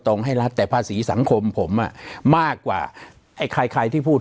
ให้รัฐแต่ภาษีสังคมผมอ่ะมากกว่าไอ้ใครใครที่พูด